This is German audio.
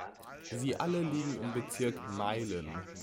Sie alle liegen im Bezirk Meilen.